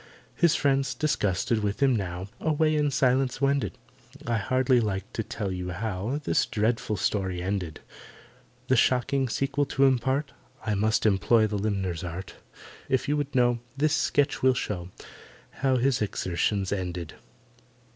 His friends, disgusted with him now, Away in silence wended— I hardly like to tell you how This dreadful story ended. The shocking sequel to impart, I must employ the limner's art— If you would know, This sketch will show How his exertions ended.